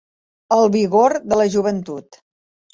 El vigor de la joventut.